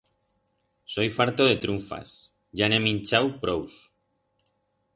Soi farto de trunfas, ya n'he minchau prous.